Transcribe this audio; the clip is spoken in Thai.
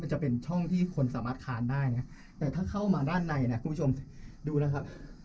จะเป็นช่องที่คนสามารถทานได้นะแต่ถ้าเข้ามาด้านในนะคุณผู้ชมดูนะครับ